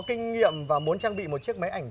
kinh nghiệm và muốn trang bị một chiếc máy ảnh